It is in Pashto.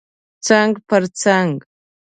څنګ پر څنګ